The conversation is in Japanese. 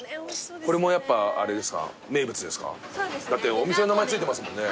お店の名前付いてますもんね。